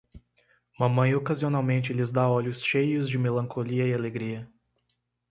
Mamãe ocasionalmente lhes dá olhos cheios de melancolia e alegria.